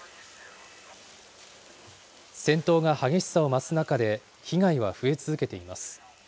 戦闘が激しさを増す中で、被害は増え続けています。